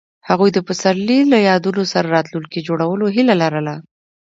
هغوی د پسرلی له یادونو سره راتلونکی جوړولو هیله لرله.